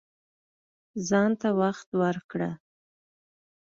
ځان ته وخت ورکړه